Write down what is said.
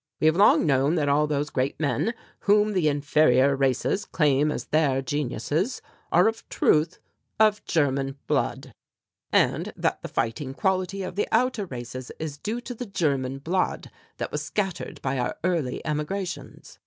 We have long known that all those great men whom the inferior races claim as their geniuses are of truth of German blood, and that the fighting quality of the outer races is due to the German blood that was scattered by our early emigrations.